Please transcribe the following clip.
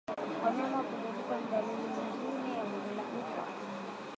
Wanyama kudhoofika ni dalili nyingine ya bonde la ufa